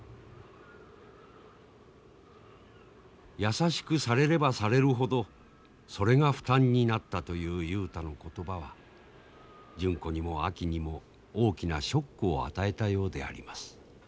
・優しくされればされるほどそれが負担になったという雄太の言葉は純子にもあきにも大きなショックを与えたようであります。